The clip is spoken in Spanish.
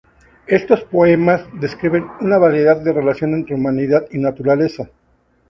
Estos poemas describen una variedad de relaciones entre humanidad y naturaleza.